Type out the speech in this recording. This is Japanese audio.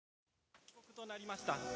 定刻となりました。